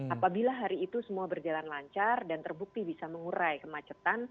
apabila hari itu semua berjalan lancar dan terbukti bisa mengurai kemacetan